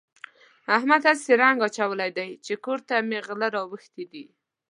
احمد هسې رنګ اچولی دی چې کور ته مې غله راوښتي دي.